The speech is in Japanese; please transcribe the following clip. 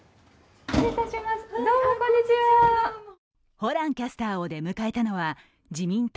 ホランキャスターを出迎えたのは自民党・